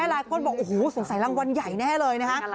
หลายคนบอกโอ้โหสงสัยรางวัลใหญ่แน่เลยนะคะ